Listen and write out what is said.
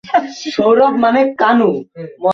Numbers, বন্ধ করো।